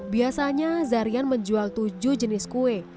biasanya zarian menjual tujuh jenis kue